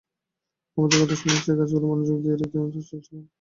আমাদের কথা শোনার চেয়ে কাজগুলোই মনোযোগ দিয়ে দেখে এবং করতে চেষ্টা করে।